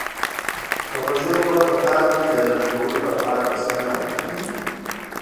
که خوږې اوبه په کال کې د ډنډ ډکولو لپاره بسنه ونه کړي.